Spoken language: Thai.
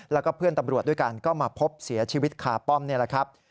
แล้วก็เพื่อนตำรวจด้วยกันก็มาพบเสียชีวิตคาป้อมนี่แหละครับ